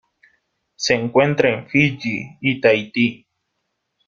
Se encuentra en Fiyi y Tahití.